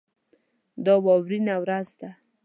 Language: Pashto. دا واورینه ورځ ده.